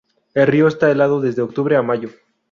El río está helado desde octubre a mayo.